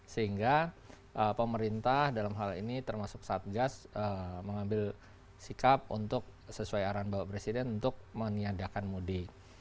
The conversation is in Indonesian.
sehingga pemerintah dalam hal ini termasuk satgas mengambil sikap untuk sesuai arahan bapak presiden untuk meniadakan mudik